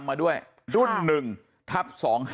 มาด้วยรุ่นนึงทัพ๒๕๔๔